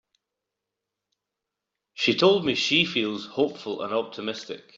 She told me she feels hopeful and optimistic.